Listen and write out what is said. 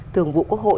thường vụ quốc hội